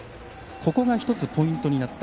ここが１つポイントになった。